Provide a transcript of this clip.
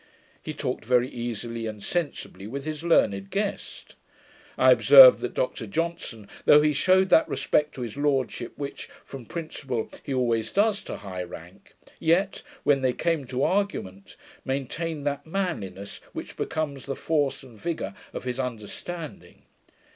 He talked very easily and sensibly with his learned guest. I observed that Dr Johnson, though he shewed that respect to his lordship, which, from principle, he always does to high rank, yet, when they came to argument, maintained that manliness which becomes the force and vigour of his understanding.